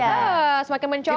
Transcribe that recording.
iya semakin mencolok